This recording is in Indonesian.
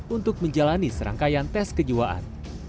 untuk menjalani serangkaian tes kejiwaan